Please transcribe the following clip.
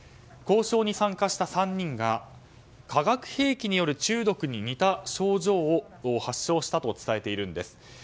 交渉に参加した３人が化学兵器による中毒に似た症状を発症したと伝えているんです。